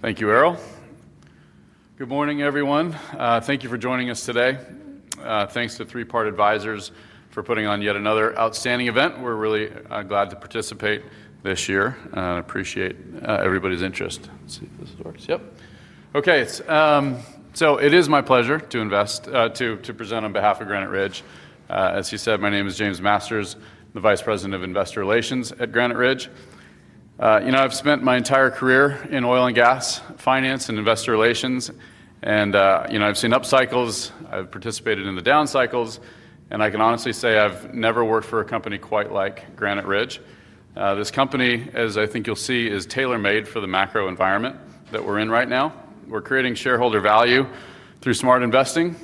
Thank you, Errol. Good morning, everyone. Thank you for joining us today. Thanks to Three Part Advisors for putting on yet another outstanding event. We're really glad to participate this year and appreciate everybody's interest. Let's see if this works. Yep. Okay. It is my pleasure to present on behalf of Granite Ridge. As he said, my name is James Masters, the Vice President of Investor Relations at Granite Ridge. I've spent my entire career in oil and gas finance and investor relations, and I've seen up cycles. I've participated in the down cycles, and I can honestly say I've never worked for a company quite like Granite Ridge. This company, as I think you'll see, is tailor-made for the macro environment that we're in right now. We're creating shareholder value through smart investing,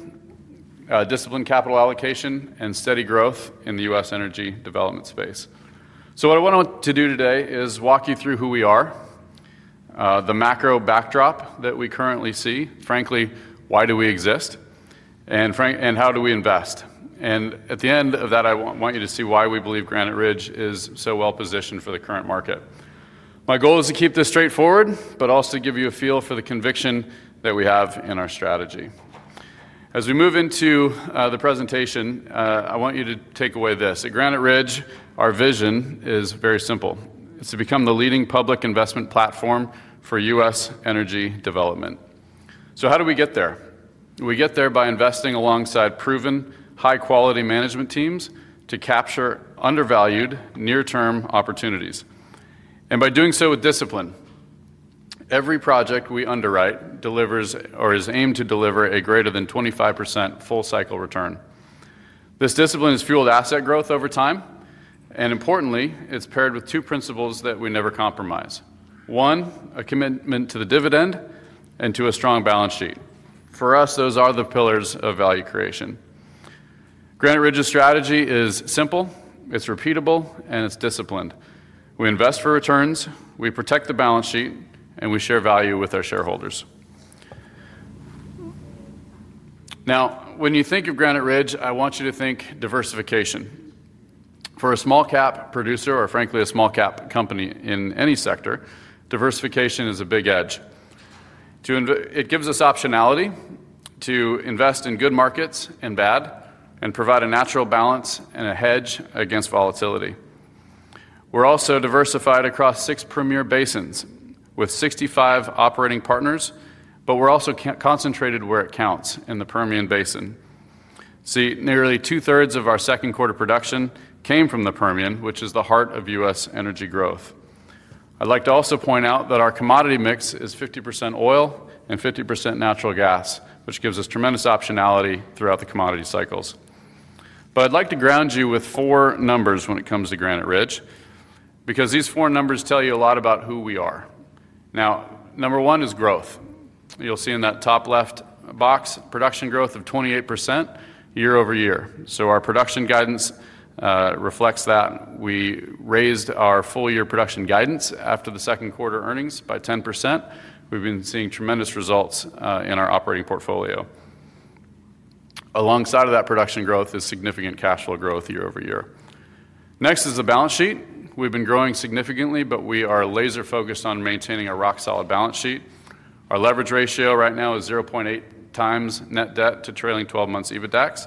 disciplined capital allocation, and steady growth in the U.S. energy development space. What I want to do today is walk you through who we are, the macro backdrop that we currently see, frankly, why do we exist, and how do we invest? At the end of that, I want you to see why we believe Granite Ridge is so well positioned for the current market. My goal is to keep this straightforward, but also give you a feel for the conviction that we have in our strategy. As we move into the presentation, I want you to take away this: at Granite Ridge, our vision is very simple. It's to become the leading public investment platform for U.S. energy development. How do we get there? We get there by investing alongside proven high-quality management teams to capture undervalued near-term opportunities. By doing so with discipline, every project we underwrite delivers or is aimed to deliver a greater than 25% full-cycle return. This discipline has fueled asset growth over time, and importantly, it's paired with two principles that we never compromise: one, a commitment to the dividend, and two, a strong balance sheet. For us, those are the pillars of value creation. Granite Ridge strategy is simple, it's repeatable, and it's disciplined. We invest for returns, we protect the balance sheet, and we share value with our shareholders. When you think of Granite Ridge, I want you to think diversification. For a small-cap producer or frankly a small-cap company in any sector, diversification is a big edge. It gives us optionality to invest in good markets and bad, and provide a natural balance and a hedge against volatility. We're also diversified across six premier basins with 65 operating partners, but we're also concentrated where it counts in the Permian Basin. Nearly 2/3 of our second quarter production came from the Permian, which is the heart of U.S. energy growth. I'd like to also point out that our commodity mix is 50% oil and 50% natural gas, which gives us tremendous optionality throughout the commodity cycles. I'd like to ground you with four numbers when it comes to Granite Ridge Resources, because these four numbers tell you a lot about who we are. Number one is growth. You'll see in that top left box, production growth of 28% year-over-year. Our production guidance reflects that. We raised our full-year production guidance after the second quarter earnings by 10%. We've been seeing tremendous results in our operating portfolio. Alongside that production growth is significant cash flow growth year-over-year. Next is the balance sheet. We've been growing significantly, but we are laser-focused on maintaining a rock-solid balance sheet. Our leverage ratio right now is 0.8x net debt to trailing 12-month EBITDAX,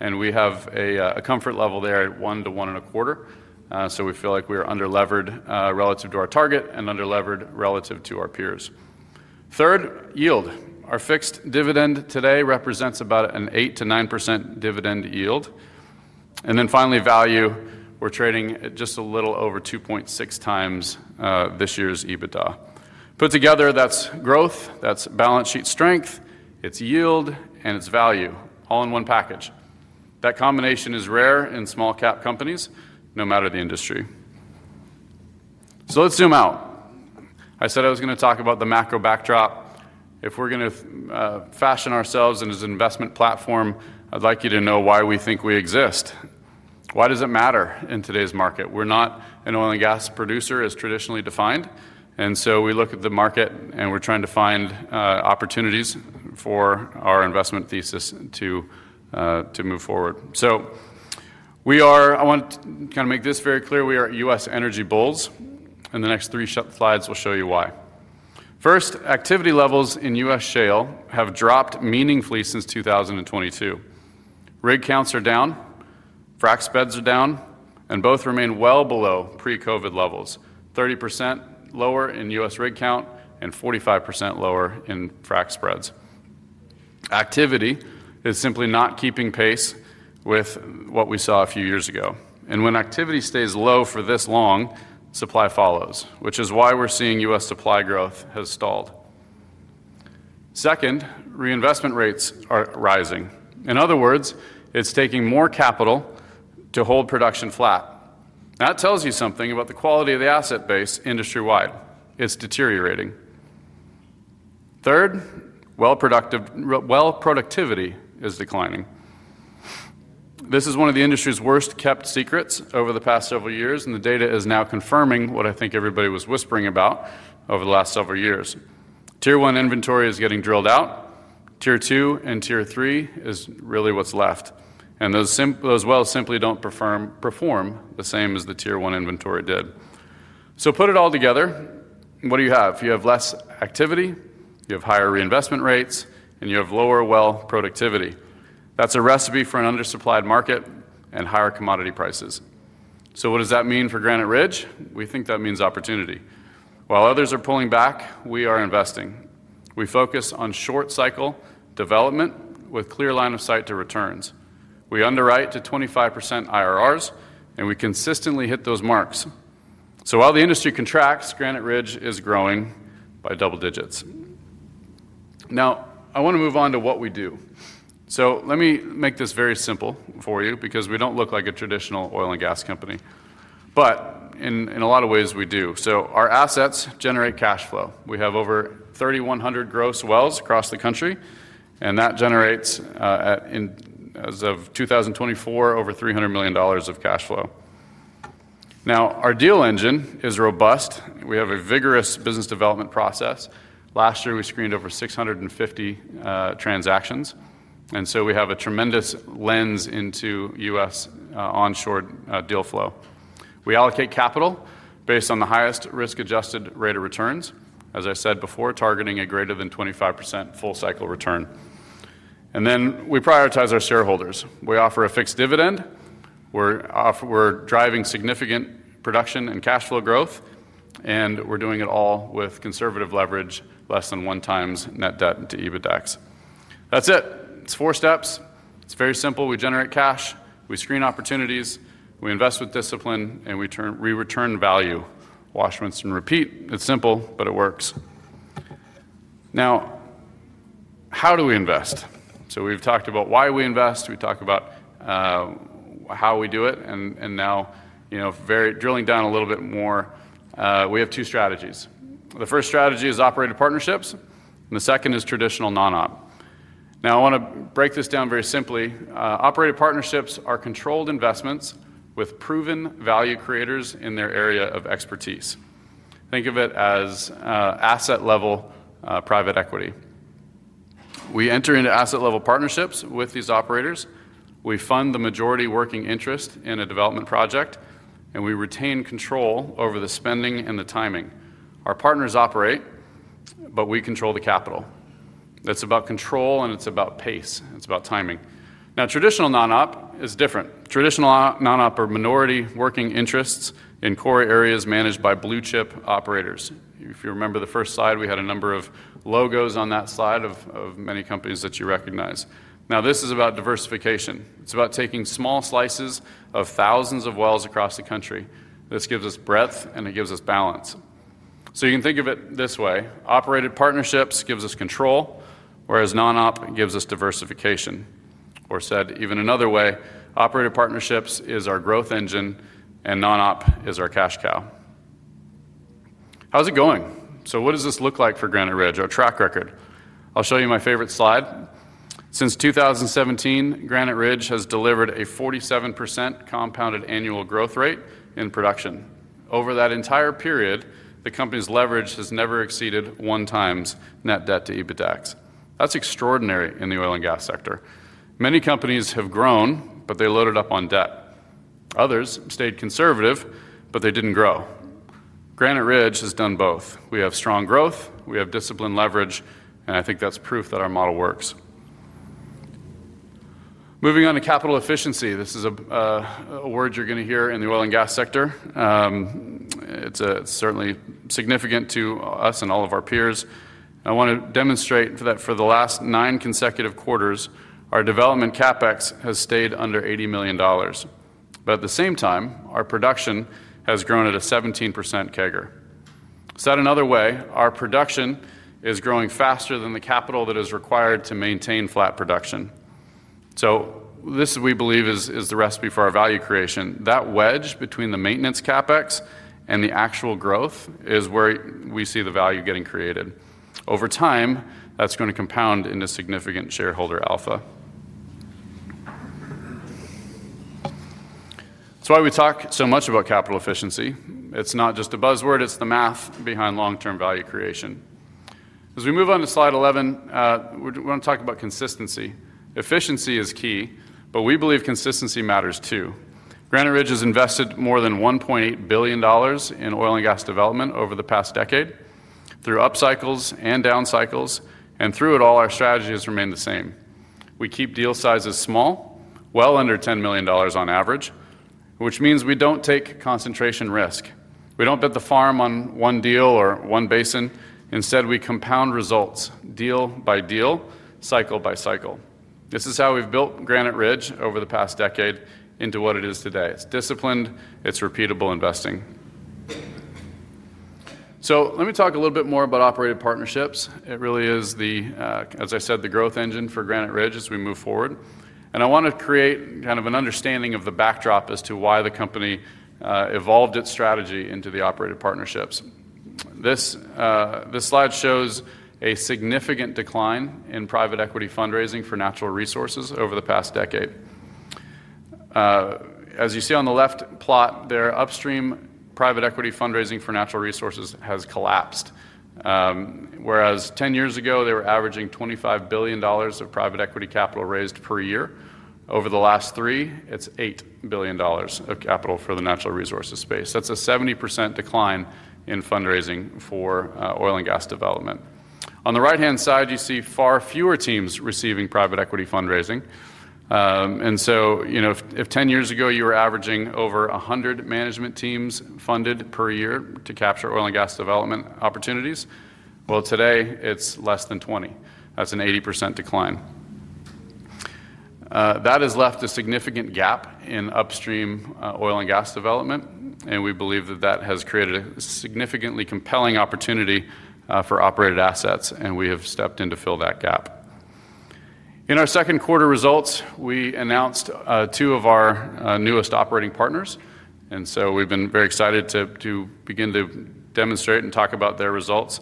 and we have a comfort level there at 1-1.25. We feel like we are underleveraged relative to our target and underleveraged relative to our peers. Third, yield. Our fixed dividend today represents about an 8%–9% dividend yield. Finally, value. We're trading at just a little over 2.6x this year's EBITDA. Put together, that's growth, that's balance sheet strength, it's yield, and it's value, all in one package. That combination is rare in small-cap energy companies, no matter the industry. Let's zoom out. I said I was going to talk about the macro backdrop. If we're going to fashion ourselves in an investment platform, I'd like you to know why we think we exist. Why does it matter in today's market? We're not an oil and gas producer as traditionally defined, and we look at the market and we're trying to find opportunities for our investment thesis to move forward. I want to make this very clear, we are U.S. energy bulls, and the next three slides will show you why. First, activity levels in U.S. shale have dropped meaningfully since 2022. Rig counts are down, frac spreads are down, and both remain well below pre-COVID levels, 30% lower in U.S. rig count and 45% lower in frac spreads. Activity is simply not keeping pace with what we saw a few years ago. When activity stays low for this long, supply follows, which is why we're seeing U.S. supply growth has stalled. Second, reinvestment rates are rising. In other words, it's taking more capital to hold production flat. That tells you something about the quality of the asset base industry-wide. It's deteriorating. Third, well productivity is declining. This is one of the industry's worst kept secrets over the past several years, and the data is now confirming what I think everybody was whispering about over the last several years. Tier one inventory is getting drilled out. Tier two and Tier three is really what's left, and those wells simply don't perform the same as the Tier one inventory did. Put it all together, what do you have? You have less activity, you have higher reinvestment rates, and you have lower well productivity. That's a recipe for an undersupplied market and higher commodity prices. What does that mean for Granite Ridge? We think that means opportunity. While others are pulling back, we are investing. We focus on short cycle development with clear line of sight to returns. We underwrite to 25% IRRs, and we consistently hit those marks. While the industry contracts, Granite Ridge is growing by double digits. I want to move on to what we do. Let me make this very simple for you because we don't look like a traditional oil and gas company, but in a lot of ways we do. Our assets generate cash flow. We have over 3,100 gross wells across the country, and that generates as of 2024 over $300 million of cash flow. Our deal engine is robust. We have a vigorous business development process. Last year, we screened over 650 transactions, and we have a tremendous lens into U.S. onshore deal flow. We allocate capital based on the highest risk-adjusted rate of returns, as I said before, targeting a greater than 25% full cycle return. We prioritize our shareholders. We offer a fixed dividend. We're driving significant production and cash flow growth, and we're doing it all with conservative leverage, less than 1x net debt to EBITDAX. That's it. It's four steps. It's very simple. We generate cash, we screen opportunities, we invest with discipline, and we return value. Wash, rinse, and repeat. It's simple, but it works. How do we invest? We've talked about why we invest, we've talked about how we do it, and now, drilling down a little bit more, we have two strategies. The first strategy is operator partnerships, and the second is traditional non-op. Now, I want to break this down very simply. Operator partnerships are controlled investments with proven value creators in their area of expertise. Think of it as asset-level private equity. We enter into asset-level partnerships with these operators. We fund the majority working interest in a development project, and we retain control over the spending and the timing. Our partners operate, but we control the capital. That's about control, and it's about pace. It's about timing. Traditional non-op is different. Traditional non-op are minority working interests in core areas managed by blue chip operators. If you remember the first slide, we had a number of logos on that slide of many companies that you recognize. This is about diversification. It's about taking small slices of thousands of wells across the country. This gives us breadth, and it gives us balance. You can think of it this way: operator partnerships gives us control, whereas non-op gives us diversification. Or said even another way, operator partnerships is our growth engine, and non-op is our cash cow. How's it going? What does this look like for Granite Ridge, our track record? I'll show you my favorite slide. Since 2017, Granite Ridge has delivered a 47% compounded annual growth rate in production. Over that entire period, the company's leverage has never exceeded 1x net debt to EBITDAX. That's extraordinary in the oil and gas sector. Many companies have grown, but they loaded up on debt. Others stayed conservative, but they didn't grow. Granite Ridge has done both. We have strong growth, we have disciplined leverage, and I think that's proof that our model works. Moving on to capital efficiency, this is a word you're going to hear in the oil and gas sector. It's certainly significant to us and all of our peers. I want to demonstrate that for the last nine consecutive quarters, our development CapEx has stayed under $80 million. At the same time, our production has grown at a 17% CAGR. Said another way, our production is growing faster than the capital that is required to maintain flat production. This we believe is the recipe for our value creation. That wedge between the maintenance CapEx and the actual growth is where we see the value getting created. Over time, that's going to compound into significant shareholder alpha. That's why we talk so much about capital efficiency. It's not just a buzzword, it's the math behind long-term value creation. As we move on to Slide 11, we want to talk about consistency. Efficiency is key, but we believe consistency matters too. Granite Ridge has invested more than $1 billion in oil and gas development over the past decade. Through up cycles and down cycles, and through it all, our strategy has remained the same. We keep deal sizes small, well under $10 million on average, which means we don't take concentration risk. We don't bet the farm on one deal or one basin. Instead, we compound results deal by deal, cycle by cycle. This is how we've built Granite Ridge over the past decade into what it is today. It's disciplined, it's repeatable investing. Let me talk a little bit more about operator partnerships. It really is, as I said, the growth engine for Granite Ridge as we move forward. I want to create kind of an understanding of the backdrop as to why the company evolved its strategy into the operator partnerships. This slide shows a significant decline in private equity fundraising for natural resources over the past decade. As you see on the left plot, upstream private equity fundraising for natural resources has collapsed. Whereas 10 years ago, they were averaging $25 billion of private equity capital raised per year, over the last three, it's $8 billion of capital for the natural resources space. That's a 70% decline in fundraising for oil and gas development. On the right-hand side, you see far fewer teams receiving private equity fundraising. If 10 years ago you were averaging over 100 management teams funded per year to capture oil and gas development opportunities, today it's less than 20. That's an 80% decline. That has left a significant gap in upstream oil and gas development, and we believe that has created a significantly compelling opportunity for operated assets, and we have stepped in to fill that gap. In our second quarter results, we announced two of our newest operating partners, and we've been very excited to begin to demonstrate and talk about their results.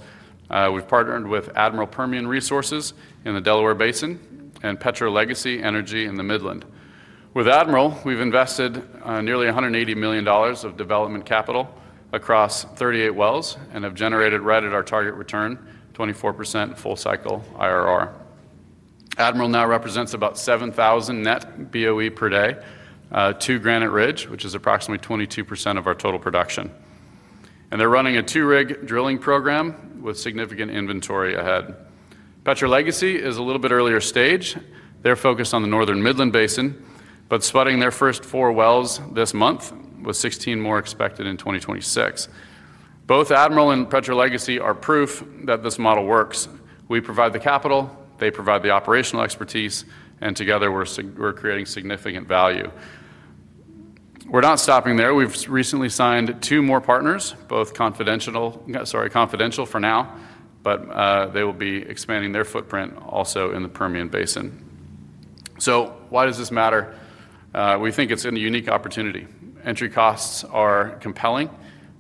We've partnered with Admiral Permian Resources in the Delaware Basin and Petro Legacy Energy in the Midland. With Admiral, we've invested nearly $180 million of development capital across 38 wells and have generated right at our target return, 24% full cycle IRR. Admiral now represents about 7,000 net BOE per day to Granite Ridge, which is approximately 22% of our total production. They're running a two-rig drilling program with significant inventory ahead. Petro Legacy is a little bit earlier stage. They're focused on the Northern Midland Basin, but spudding their first four wells this month with 16 more expected in 2026. Both Admiral and Petro Legacy are proof that this model works. We provide the capital, they provide the operational expertise, and together we're creating significant value. We're not stopping there. We've recently signed two more partners, both confidential for now, but they will be expanding their footprint also in the Permian Basin. Why does this matter? We think it's a unique opportunity. Entry costs are compelling,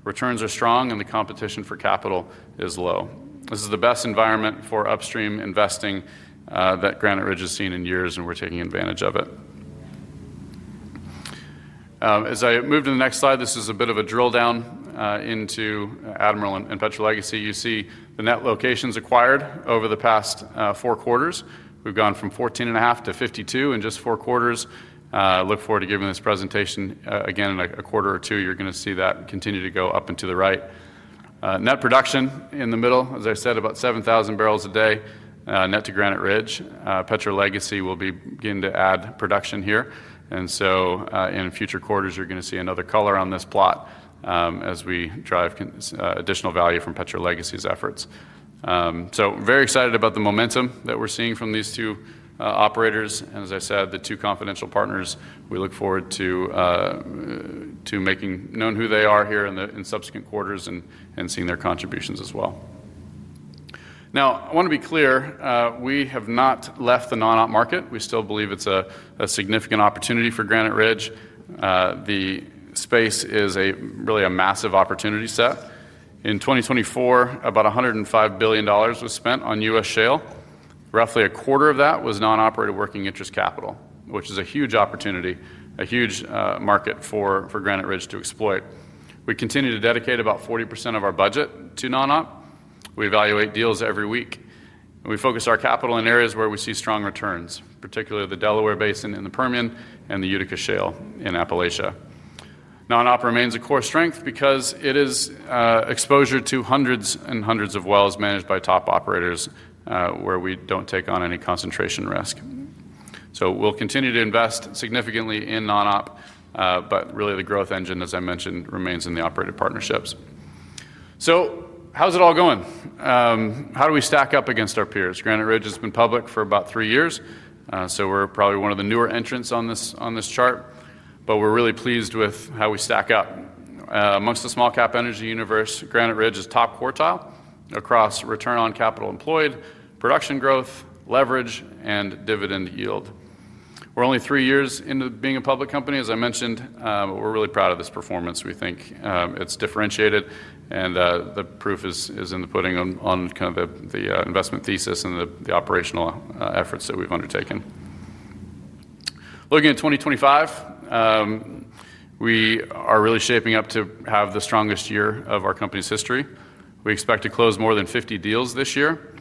returns are strong, and the competition for capital is low. This is the best environment for upstream investing that Granite Ridge has seen in years, and we're taking advantage of it. As I move to the next slide, this is a bit of a drill down into Admiral and Petro Legacy. You see the net locations acquired over the past four quarters. We've gone from 14.5-52 in just four quarters. I look forward to giving this presentation again in a quarter or two. You're going to see that continue to go up and to the right. Net production in the middle, as I said, about 7,000 barrels a day net to Granite Ridge. Petro Legacy will begin to add production here. In future quarters, you're going to see another color on this plot as we drive additional value from Petro Legacy's efforts. Very excited about the momentum that we're seeing from these two operators. As I said, the two confidential partners, we look forward to making known who they are here in subsequent quarters and seeing their contributions as well. I want to be clear, we have not left the non-op market. We still believe it's a significant opportunity for Granite Ridge. The space is really a massive opportunity set. In 2024, about $105 billion was spent on U.S. shale. Roughly a quarter of that was non-operated working interest capital, which is a huge opportunity, a huge market for Granite Ridge to exploit. We continue to dedicate about 40% of our budget to non-op. We evaluate deals every week. We focus our capital in areas where we see strong returns, particularly the Delaware Basin in the Permian and the Utica Shale in Appalachia. Non-op remains a core strength because it is exposure to hundreds and hundreds of wells managed by top operators where we don't take on any concentration risk. We'll continue to invest significantly in non-op, but really the growth engine, as I mentioned, remains in the operator partnerships. How's it all going? How do we stack up against our peers? Granite Ridge has has been public for about three years, so we're probably one of the newer entrants on this chart, but we're really pleased with how we stack up. Amongst the small-cap energy universe, Granite Ridge is top quartile across return on capital employed, production growth, leverage, and dividend yield. We're only three years into being a public company, as I mentioned. We're really proud of this performance. We think it's differentiated, and the proof is in the pudding on kind of the investment thesis and the operational efforts that we've undertaken. Looking at 2025, we are really shaping up to have the strongest year of our company's history. We expect to close more than 50 deals this year,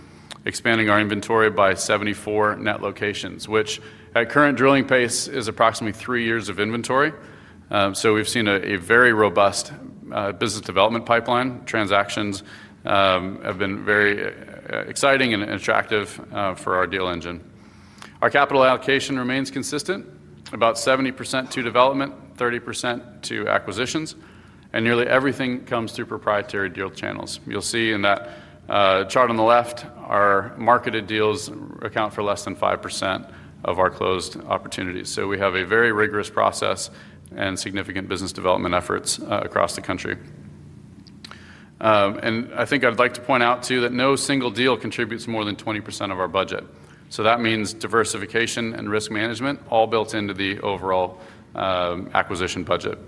expanding our inventory by 74 net locations, which at current drilling pace is approximately three years of inventory. We've seen a very robust business development pipeline. Transactions have been very exciting and attractive for our deal engine. Our capital allocation remains consistent, about 70% to development, 30% to acquisitions, and nearly everything comes through proprietary deal channels. You'll see in that chart on the left, our marketed deals account for less than 5% of our closed opportunities. We have a very rigorous process and significant business development efforts across the country. I'd like to point out too that no single deal contributes more than 20% of our budget. That means diversification and risk management all built into the overall acquisition budget.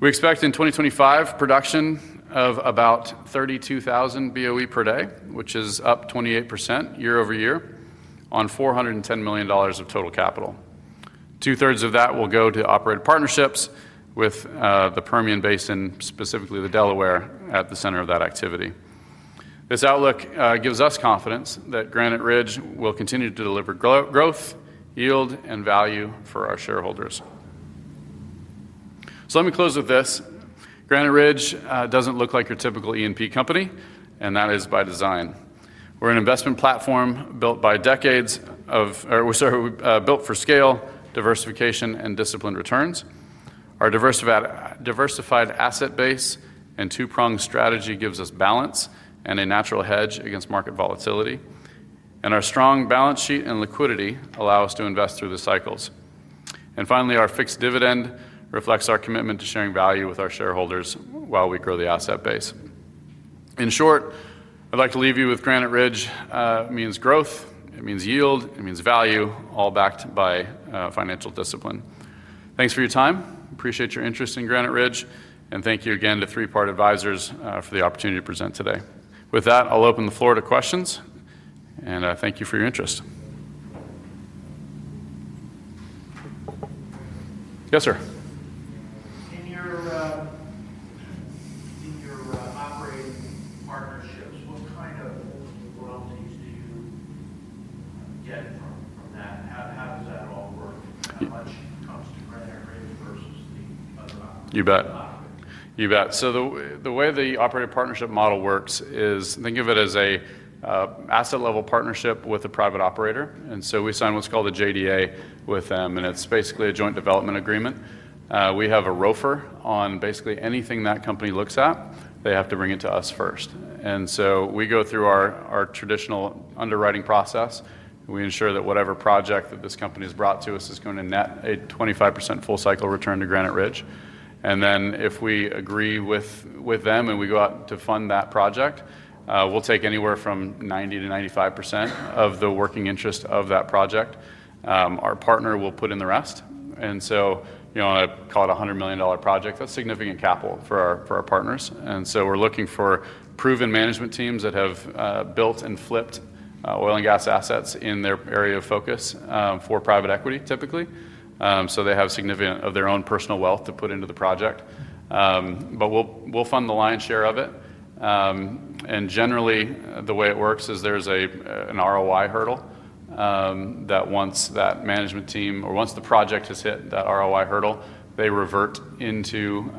We expect in 2025 production of about 32,000 BOE per day, which is up 28% year-over-year on $410 million of total capital. Two-thirds of that will go to operator partnerships with the Permian Basin, specifically the Delaware Basin, at the center of that activity. This outlook gives us confidence that Granite Ridge will continue to deliver growth, yield, and value for our shareholders. Let me close with this. Granite Ridge doesn't look like your typical E&P company, and that is by design. We're an investment platform built for scale, diversification, and disciplined returns. Our diversified asset base and two-pronged strategy gives us balance and a natural hedge against market volatility, and our strong balance sheet and liquidity allow us to invest through the cycles. Finally, our fixed dividend reflects our commitment to sharing value with our shareholders while we grow the asset base. In short, I'd like to leave you with Granite Ridge means growth, it means yield, it means value, all backed by financial discipline. Thanks for your time. Appreciate your interest in Granite Ridge, and thank you again to Three Part Advisors for the opportunity to present today. With that, I'll open the floor to questions, and thank you for your interest. Yes, sir. In your operator partnerships, what kind of wells do you get in from them? How does that all work? How much comes to Granite Ridge? You bet. The way the operator partnership model works is think of it as an asset-level partnership with a private operator. We sign what's called a JDA with them, and it's basically a Joint Development Agreement. We have a ROFR on basically anything that company looks at. They have to bring it to us first. We go through our traditional underwriting process. We ensure that whatever project that this company has brought to us is going to net a 25% full-cycle return to Granite Ridge. If we agree with them and we go out to fund that project, we'll take anywhere from 90%-95% of the working interest of that project. Our partner will put in the rest. I call it a $100 million project. That's significant capital for our partners. We're looking for proven management teams that have built and flipped oil and gas assets in their area of focus for private equity, typically. They have significant of their own personal wealth to put into the project. We'll fund the lion's share of it. Generally, the way it works is there's an ROI hurdle that once that management team or once the project has hit that ROI hurdle, they revert into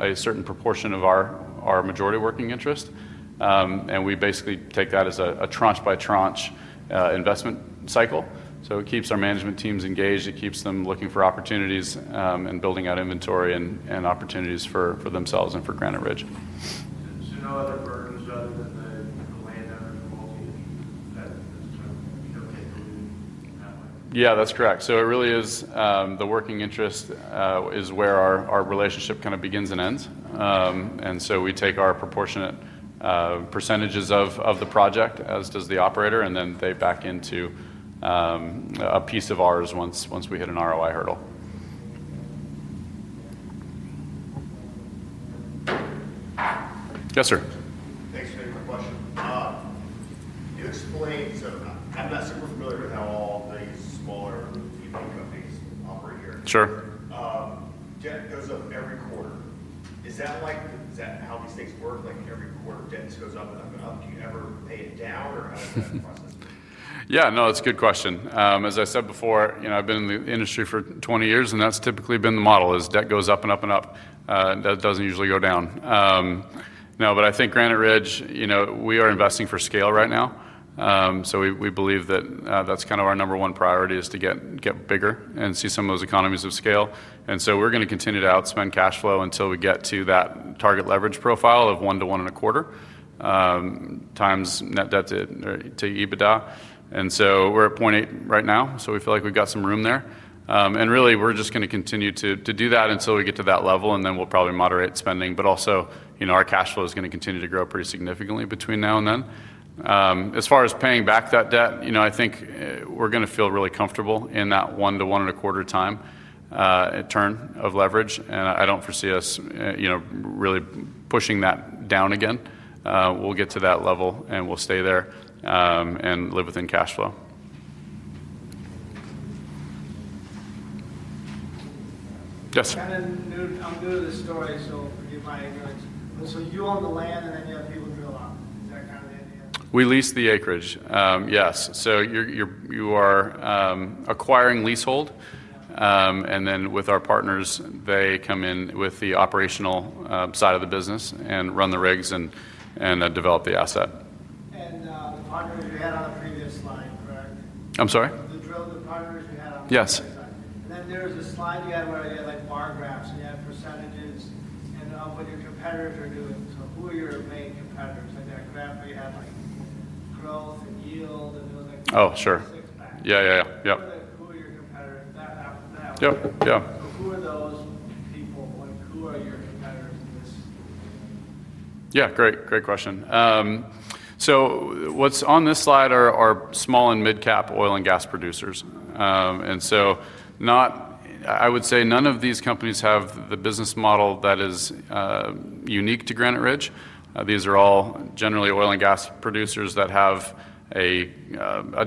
a certain proportion of our majority working interest. We basically take that as a tranche-by-tranche investment cycle. It keeps our management teams engaged. It keeps them looking for opportunities and building out inventory and opportunities for themselves and for Granite Ridge. there no other burdens other than the landowner quality that this company does? Yeah, that's correct. It really is the working interest is where our relationship kind of begins and ends. We take our proportionate percentages of the project, as does the operator, and then they back into a piece of ours once we hit an ROI hurdle. Yes, sir. You explained something about, unless someone's familiar with how all these smaller LinkedIn fund companies operate here. Sure. Debt goes up every quarter. Is that like how the states work? Like every quarter, debt goes up and up and up. Do you ever pay it down or? Yeah, no, that's a good question. As I said before, you know, I've been in the industry for 20 years, and that's typically been the model, is debt goes up and up and up. That doesn't usually go down. No, but I think Granite Ridge, you know, we are investing for scale right now. We believe that that's kind of our number one priority, to get bigger and see some of those economies of scale. We're going to continue to outspend cash flow until we get to that target leverage profile of 1-1.25x net debt to EBITDA. We're at 0.8x right, so we feel like we've got some room there. Really, we're just going to continue to do that until we get to that level, and then we'll probably moderate spending. Also, you know, our cash flow is going to continue to grow pretty significantly between now and then. As far as paying back that debt, you know, I think we're going to feel really comfortable in that one to one and a quarter time turn of leverage. I don't foresee us, you know, really pushing that down again. We'll get to that level, and we'll stay there and live within cash flow. I'm doing this story, so forgive my ignorance. You own the land, and then the other people drill up? We lease the acreage. Yes, you are acquiring leasehold. With our partners, they come in with the operational side of the business and run the rigs and develop the asset. I'm sorry? Yes. There was a slide you had where they had bar graphs where you had percentages and what your competitors are doing to who your main competitors are. That graph where you have growth and yield. Yeah, great question. What's on this slide are small and mid-cap oil and gas producers. I would say none of these companies have the business model that is unique to Granite Ridge. These are all generally oil and gas producers that have a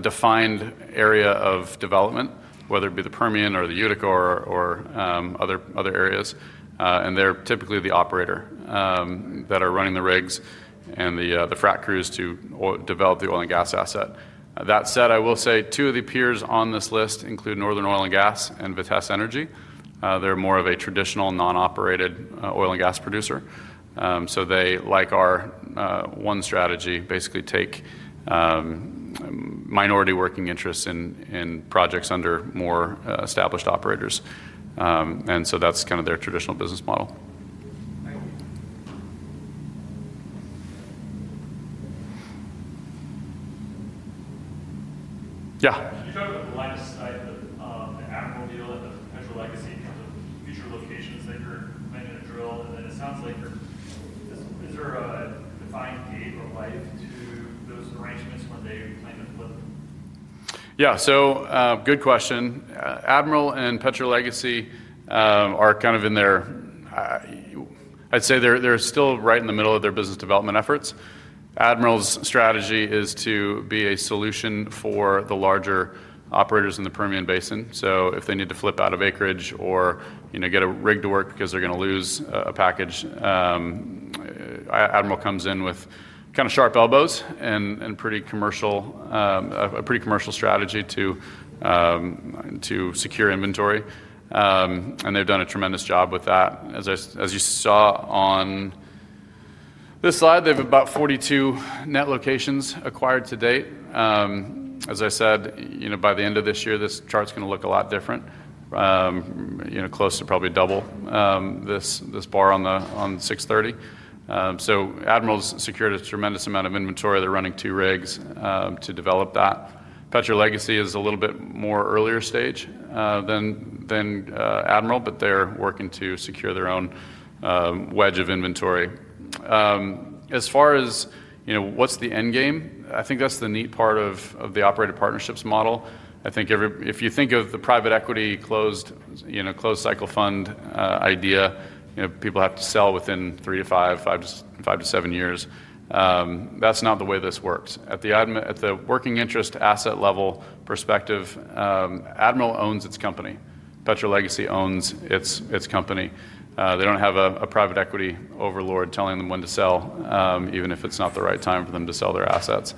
defined area of development, whether it be the Permian or the Utica or other areas. They're typically the operator that are running the rigs and the frac crews to develop the oil and gas asset. That said, I will say two of the peers on this list include Northern Oil and Gas and Vitesse Energy. They're more of a traditional non-operated oil and gas producer. They, like our one strategy, basically take minority working interests in projects under more established operators. That's kind of their traditional business model. You've got the blind side of the Admiral mill and the legacy kind of future location center. Then drill, and then it sounds like you're just is there a defined game of life to do those arrangements when they plan? Yeah, so good question. Admiral and Petro Legacy are kind of in their, I'd say they're still right in the middle of their business development efforts. Admirals' strategy is to be a solution for the larger operators in the Permian Basin. If they need to flip out of acreage or, you know, get a rig to work because they're going to lose a package, Admiral comes in with kind of sharp elbows and a pretty commercial strategy to secure inventory. They've done a tremendous job with that. As you saw on this slide, they have about 42 net locations acquired to date. As I said, by the end of this year, this chart's going to look a lot different, close to probably double this bar on the 6/30. Admirals' has secured a tremendous amount of inventory. They're running two rigs to develop that. Petro Legacy is a little bit more earlier stage than Admiral, but they're working to secure their own wedge of inventory. As far as what's the end game, I think that's the neat part of the operator partnership model. If you think of the private equity closed cycle fund idea, people have to sell within three to five, five to seven years. That's not the way this works. At the working interest asset level perspective, Admiral Permian Resources owns its company. Petro Legacy owns its company. They don't have a private equity overlord telling them when to sell, even if it's not the right time for them to sell their assets.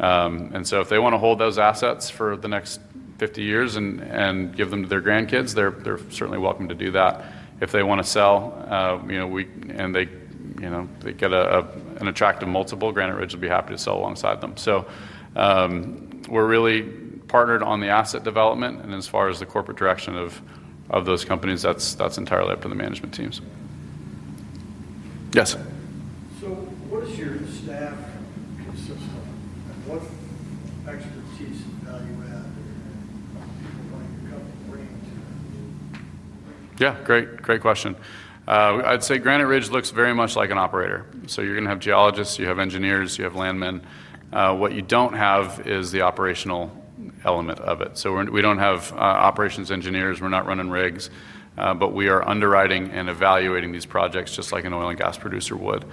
If they want to hold those assets for the next 50 years and give them to their grandkids, they're certainly welcome to do that. If they want to sell, and they get an attractive multiple, Granite Ridge would be happy to sell alongside them. We're really partnered on the asset development. As far as the corporate direction of those companies, that's entirely up to the management teams. Yes.What is your staff conceptual, and what's the factor to see some value add about people going to the company? Yeah, great question. I'd say Granite Ridge looks very much like an operator. You have geologists, you have engineers, you have landmen. What you don't have is the operational element of it. We don't have operations engineers, we're not running rigs, but we are underwriting and evaluating these projects just like an oil and gas producer would.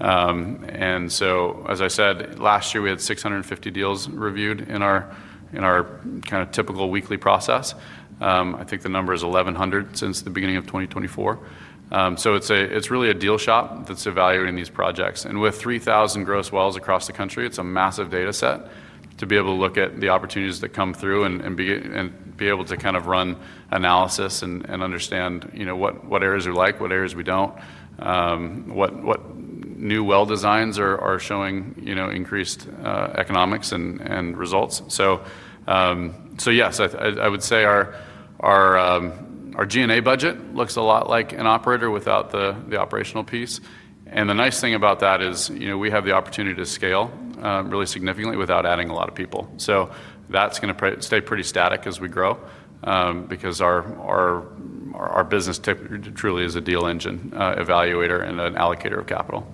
As I said, last year we had 650 deals reviewed in our typical weekly process. I think the number is 1,100 since the beginning of 2024. It's really a deal shop that's evaluating these projects. With 3,000 gross wells across the country, it's a massive data set to be able to look at the opportunities that come through and be able to run analysis and understand what areas are like, what areas we don't, what new well designs are showing increased economics and results. I would say our G&A budget looks a lot like an operator without the operational piece. The nice thing about that is we have the opportunity to scale really significantly without adding a lot of people. That's going to stay pretty static as we grow because our business truly is a deal engine evaluator and an allocator of capital.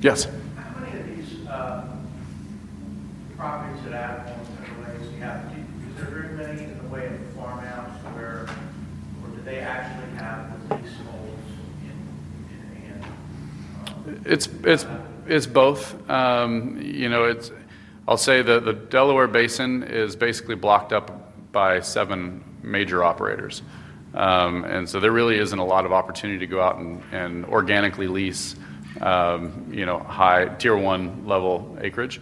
Yes.How many of these properties that Admiral and Petro have, is there very many in the way of format to where? It's both. I'll say that the Delaware Basin is basically blocked up by seven major operators, so there really isn't a lot of opportunity to go out and organically lease high Tier one level acreage.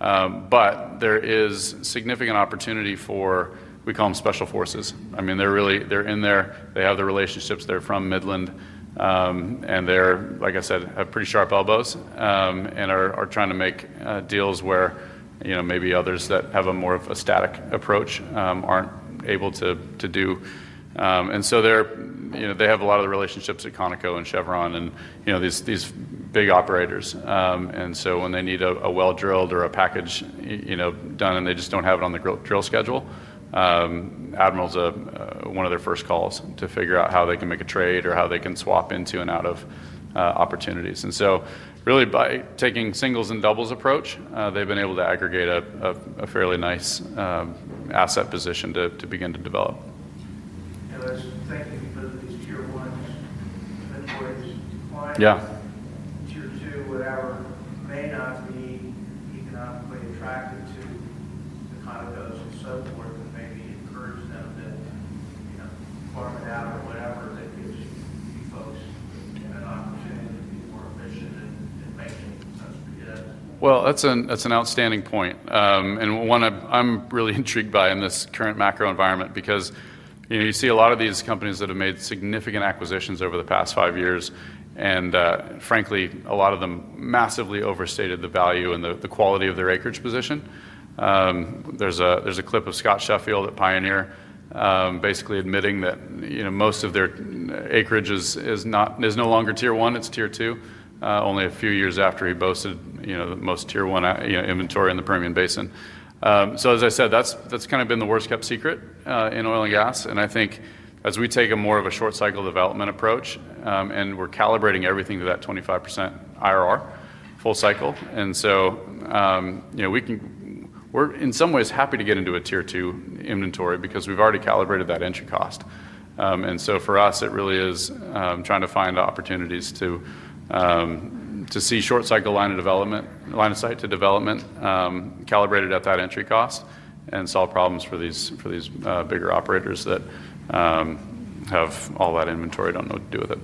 There is significant opportunity for, we call them special forces. They're really in there, they have the relationships, they're from Midland, and they're, like I said, have pretty sharp elbows and are trying to make deals where maybe others that have more of a static approach aren't able to do. They have a lot of the relationships at Conoco and Chevron and these big operators. When they need a well drilled or a package done and they just don't have it on the drill schedule, Admiral's one of their first calls to figure out how they can make a trade or how they can swap into and out of opportunities. By taking singles and doubles approach, they've been able to aggregate a fairly nice asset position to begin to develop. Thank you. Tier one, that's where it is to client. Yeah. Tier two, whatever may not be economically attractive to you, those who support maybe 8% of the That's an outstanding point. One I'm really intrigued by in this current macro environment because, you know, you see a lot of these companies that have made significant acquisitions over the past five years, and frankly, a lot of them massively overstated the value and the quality of their acreage position. There's a clip of Scott Sheffield at Pioneer basically admitting that, you know, most of their acreage is not, is no longer Tier one, it's Tier two, only a few years after he boasted the most Tier one inventory in the Permian Basin. As I said, that's kind of been the worst kept secret in oil and gas. I think as we take more of a short cycle development approach and we're calibrating everything to that 25% IRR full cycle, we can, we're in some ways happy to get into a Tier two inventory because we've already calibrated that entry cost. For us, it really is trying to find opportunities to see short cycle line of development, line of sight to development, calibrated at that entry cost and solve problems for these bigger operators that have all that inventory, don't know what to do with it.